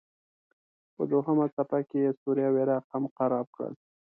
په دوهمه څپه کې یې سوریه او عراق هم خراب کړل.